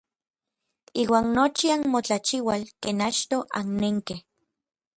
Iuan nochi anmotlachiual ken achtoj annenkej.